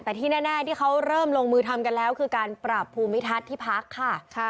แต่ที่แน่ที่เขาเริ่มลงมือทำกันแล้วคือการปรับภูมิทัศน์ที่พักค่ะ